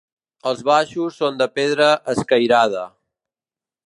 Els baixos són de pedra escairada.